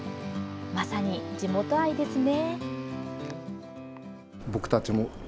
まさに地元愛ですね。